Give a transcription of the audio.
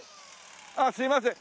ああすいません。